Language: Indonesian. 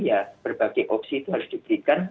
ya berbagai opsi itu harus diberikan